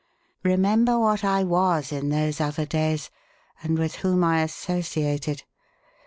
Remember what I was in those other days, and with whom I associated.